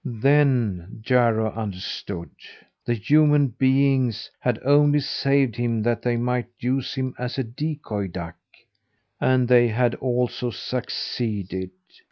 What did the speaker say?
Then Jarro understood. The human beings had only saved him that they might use him as a decoy duck. And they had also succeeded.